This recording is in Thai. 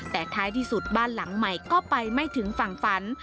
แต่ท้ายที่สุดบ้านหลังใหม่ก็ไปไม่ถึงฝั่งฝัน